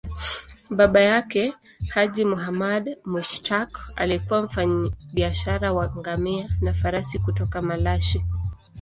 Baba yake, Haji Muhammad Mushtaq, alikuwa mfanyabiashara wa ngamia na farasi kutoka Malashi.